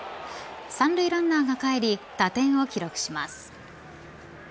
３塁ランナーがかえり打点を記録します。